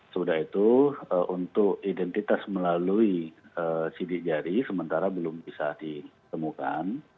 sudah itu untuk identitas melalui sidik jari sementara belum bisa ditemukan